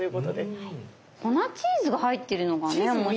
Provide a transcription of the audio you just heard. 粉チーズが入ってるのがね面白い。